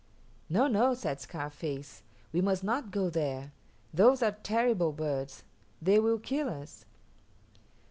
"No, no," said Scarface, "we must not go there. Those are terrible birds; they will kill us."